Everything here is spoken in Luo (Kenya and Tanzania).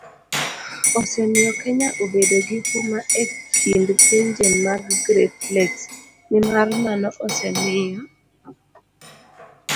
osemiyo Kenya obedo gi huma e kind pinje mag Great Lakes, nimar mano osemiyo